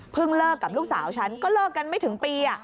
เลิกกับลูกสาวฉันก็เลิกกันไม่ถึงปี